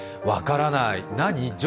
分からない、何？